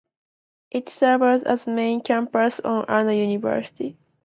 It serves as the main campus of Anna University.